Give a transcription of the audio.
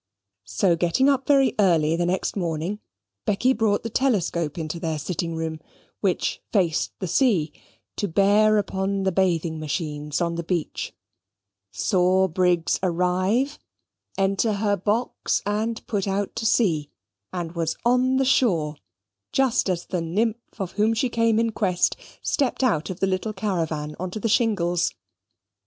So getting up very early the next morning, Becky brought the telescope in their sitting room, which faced the sea, to bear upon the bathing machines on the beach; saw Briggs arrive, enter her box; and put out to sea; and was on the shore just as the nymph of whom she came in quest stepped out of the little caravan on to the shingles.